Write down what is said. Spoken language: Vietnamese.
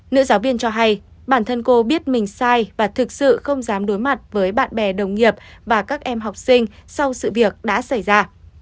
nữ giáo viên cho hay bản thân cô biết mình sai và thực sự không dám đối mặt với bạn bè đồng nghiệp và các em học sinh sau sự việc đã xảy ra